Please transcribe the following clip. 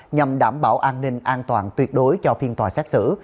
nhằm đảm bảo an ninh an toàn tuyệt đối cho phiên tòa xét xử